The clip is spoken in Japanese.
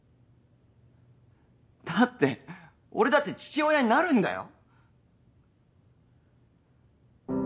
だって俺だって父親になるんだよ？